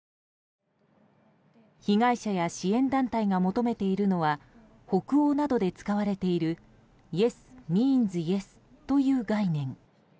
被害者や支援団体が求めているのは北欧などで使われているＹＥＳＭｅａｎｓＹＥＳという概念。